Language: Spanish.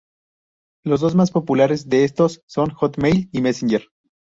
Los dos más populares de estos son Hotmail y Messenger.